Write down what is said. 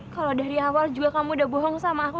kalau dari awal juga kamu udah bohong sama aku